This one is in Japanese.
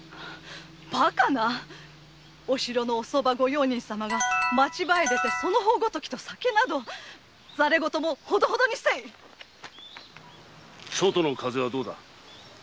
バカな御側御用人様が町場でその方ごときと酒などざれごとも程々にせい外の風はどうだ？